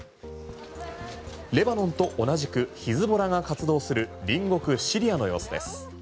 レバノンと同じくヒズボラが活動する隣国シリアの様子です。